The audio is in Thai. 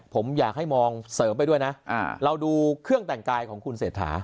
ผมอยากให้มองเสริมไปด้วยนะเราดูเครื่องแต่งกายของคุณเศรษฐา